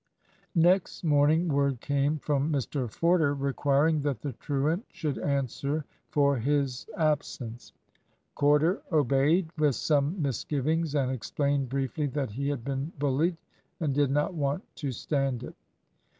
Next morning word came from Mr Forder requiring that the truant should answer for his absence. Corder obeyed, with some misgivings, and explained briefly that he had been bullied and did not want to stand it.